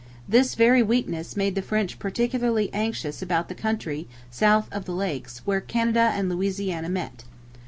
This very weakness made the French particularly anxious about the country south of the Lakes, where Canada and Louisiana met.